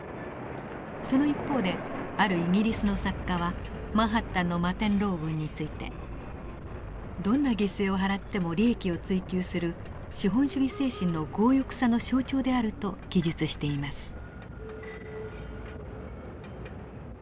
その一方であるイギリスの作家はマンハッタンの摩天楼群について「どんな犠牲を払っても利益を追求する資本主義精神の強欲さの象徴である」と記述しています。